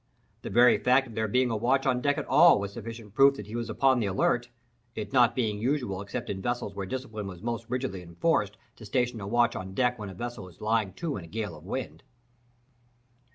The very fact of there being a watch on deck at all was sufficient proof that he was upon the alert,—it not being usual except in vessels where discipline is most rigidly enforced, to station a watch on deck when a vessel is lying to in a gale of wind.